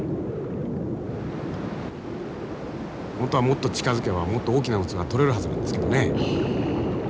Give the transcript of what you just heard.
本当はもっと近づけばもっと大きな渦が撮れるはずなんですけどね。